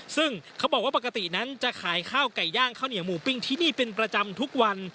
ซึ่งเขาบอกว่าปกตินั้นจะขายข้าวไก่ย่างข้าวเหนียวหมูปิ้งที่นี่เป็นประจำทุกวัน